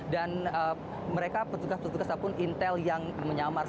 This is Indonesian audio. dan mereka petugas petugas apun intel yang menyamar